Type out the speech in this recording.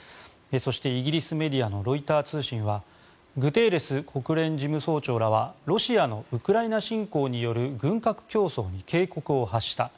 そしてイギリスメディアのロイター通信はグテーレス国連事務総長らはロシアのウクライナ侵攻による軍拡競争に警告を発した。